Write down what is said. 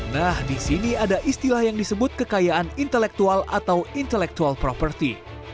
nah di sini ada istilah yang disebut kekayaan intelektual atau intellectual property